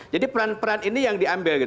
jadi peran peran ini yang diambil